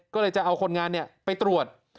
ก็เลยจะเอาคนงานไปตรวจ